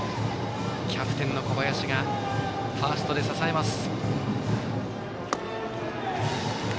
キャプテンの小林がファーストで支えます。